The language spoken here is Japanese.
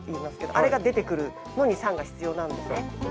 あれが出て来るのに酸が必要なんですね。